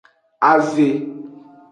Aze.